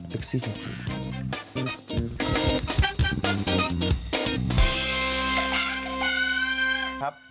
เซ็กซี่จริง